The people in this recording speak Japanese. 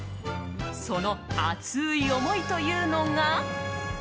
その熱い思いというのが。